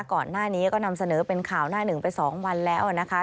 ก่อนหน้านี้ก็นำเสนอเป็นข่าวหน้าหนึ่งไป๒วันแล้วนะคะ